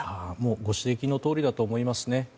ご指摘のとおりだと思いますね。